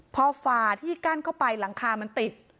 พอฝ่าที่กั้นเข้าไปหลังคามันติด